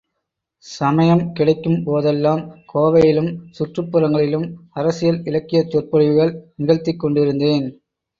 சமயம் கிடைக்கும்போதெல்லாம் கோவையிலும், சுற்றுப் புறங்களிலும் அரசியல் இலக்கியச்சொற்பொழிவுகள் நிகழ்த்திக் கொண்டிருந்தேன்.